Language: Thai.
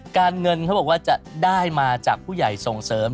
เงินเขาบอกว่าจะได้มาจากผู้ใหญ่ส่งเสริม